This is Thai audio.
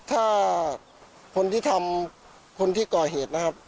ถ้าคนที่ทำคนที่ก่อเหตุนะครับ